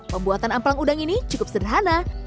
pembuatan amplang udang ini cukup sederhana